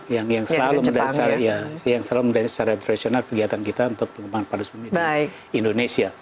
yang selalu mendari secara tradisional kegiatan kita untuk pengembangan panas bumi di indonesia